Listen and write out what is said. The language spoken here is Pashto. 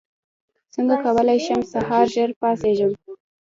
څنګه کولی شم په سهار ژر پاڅېږم